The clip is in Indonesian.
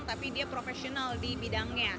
tapi dia profesional di bidangnya